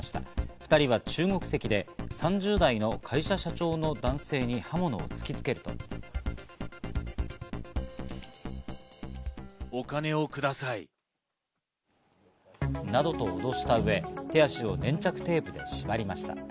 ２人は中国籍で３０代の会社社長の男性に刃物を突きつけると。などと脅した上、手足を粘着テープで縛りました。